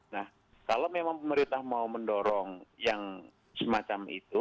nah kalau memang pemerintah mau mendorong yang semacam itu